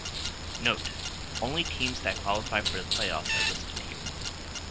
Note: Only teams that qualified for the playoffs are listed here.